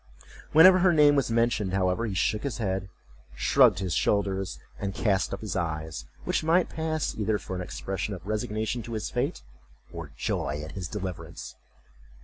Whenever her name was mentioned, however, he shook his head, shrugged his shoulders, and cast up his eyes; which might pass either for an expression of resignation to his fate, or joy at his deliverance.